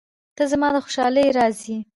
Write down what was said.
• ته زما د خوشحالۍ راز یې.